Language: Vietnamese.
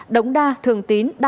đống đa thường tín đều hai ca